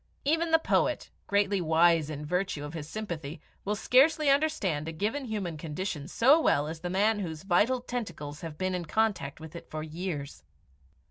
Even the poet, greatly wise in virtue of his sympathy, will scarcely understand a given human condition so well as the man whose vital tentacles have been in contact with it for years.